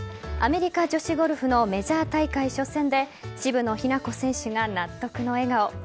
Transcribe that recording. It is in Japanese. アメリカ女子ゴルフのメジャー大会初戦で渋野日向子選手が納得の笑顔。